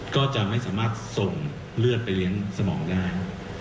ก็จะไม่สามารถส่งเลือดไปเลี้ยงสมองได้